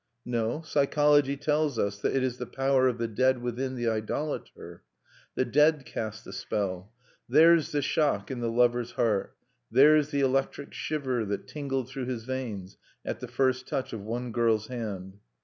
No, psychology tells us that it is the power of the dead within the idolater. The dead cast the spell. Theirs the shock in the lover's heart; theirs the electric shiver that tingled through his veins at the first touch of one girl's hand.